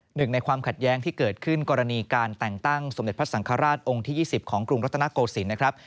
หนึ่งในความขัดแย้งที่เกิดขึ้นกรณีการแต่งตั้งสมเด็จพระสังฆราชองค์ที่๒๐ของกรุงรัตนโกศิลป์นะครับ